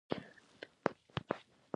که کار ترې واخیستل شي پیاوړتیا مومي.